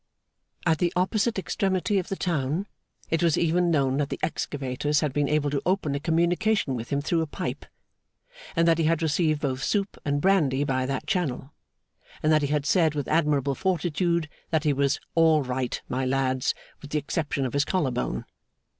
At the opposite extremity of the town it was even known that the excavators had been able to open a communication with him through a pipe, and that he had received both soup and brandy by that channel, and that he had said with admirable fortitude that he was All right, my lads, with the exception of his collar bone.